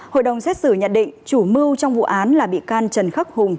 hội đồng xét xử nhận định chủ mưu trong vụ án là bị can trần khắc hùng